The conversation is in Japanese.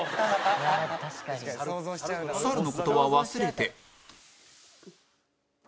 猿の事は忘れて